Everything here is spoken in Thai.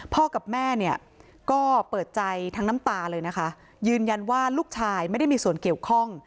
กับแม่เนี่ยก็เปิดใจทั้งน้ำตาเลยนะคะยืนยันว่าลูกชายไม่ได้มีส่วนเกี่ยวข้อง